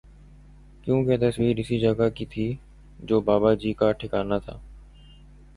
کیوں کہ تصویر اسی جگہ کی تھی جو باباجی کا ٹھکانہ تھا